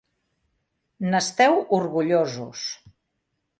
N'esteu orgullosos.